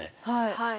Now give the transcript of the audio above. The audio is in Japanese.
はい。